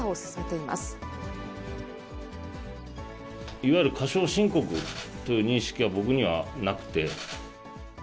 いわゆる過少申告という認識は、僕にはなくて。